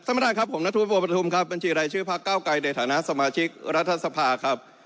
ประธานครับผมนัทธวุโปประทุมครับบัญชีรายชื่อพักเก้าไกรในฐานะสมาชิกรัฐสภาครับ